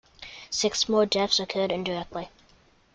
Six more deaths occurred indirectly.